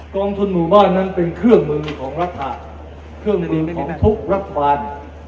กองทุนหมู่บ้านนั้นเป็นเครื่องมือของรัฐบาลเครื่องทะเบียนทุกรัฐบาล